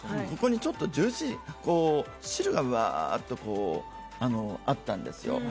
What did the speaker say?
ここにちょっと汁がうわーっとあったんですよ。